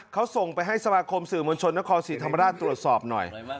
เขาส่งไปให้สมาคมสื่อมวลชนนครศรีธรรมราชตรวจสอบหน่อย